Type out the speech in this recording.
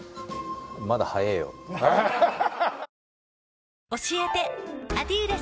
「まだ早えよ」って。